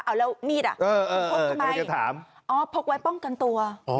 เอาแล้วมีดอ่ะพกทำไมอ๋อพกไว้ป้องกันตัว